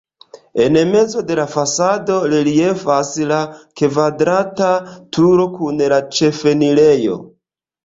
En mezo de la fasado reliefas la kvadrata turo kun la ĉefenirejo.